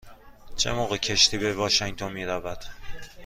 چه موقع کشتی به واشینگتن می رود؟